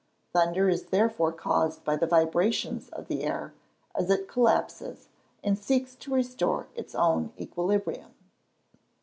Thunder is therefore caused by the vibrations of the air, as it collapses, and seeks to restore its own equilibrium.